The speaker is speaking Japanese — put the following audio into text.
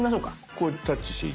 これタッチしていい？